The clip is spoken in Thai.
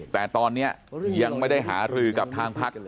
แต่ตอนนี้ยังไม่ได้หารือกับทางพัก